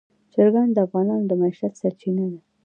چرګان د افغانانو د معیشت سرچینه ده.